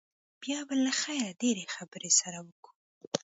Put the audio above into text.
بيا به له خيره ډېرې خبرې سره وکو.